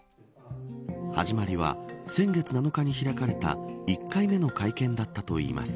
始まりは先月７日に開かれた１回目の会見だといいます。